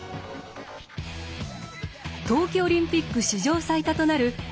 冬季オリンピック史上最多となる